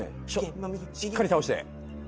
しっかり倒して。